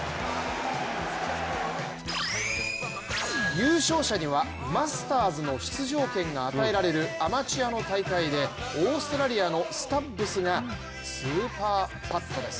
優勝者にはマスターズの出場権が与えられるアマチュアの大会でオーストラリアのスタッブスがスーパーパットです。